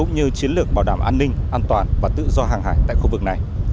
như chiến lược bảo đảm an ninh an toàn và tự do hàng hải tại khu vực này